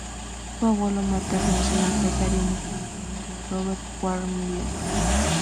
Su abuelo materno es el empresario multimillonario Robert Warren Miller.